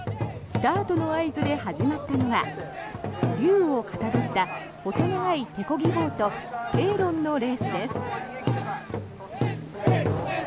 スタートの合図で始まったのは竜をかたどった細長い手こぎボートペーロンのレースです。